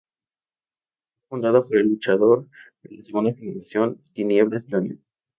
Fue fundada por el luchador de segunda generación Tinieblas Jr.